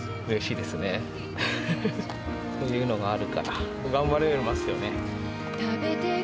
こういうのがあるから、頑張れますよね。